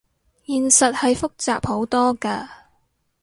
現實係複雜好多㗎